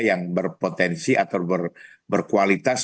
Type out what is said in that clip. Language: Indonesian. yang berpotensi atau berkualitas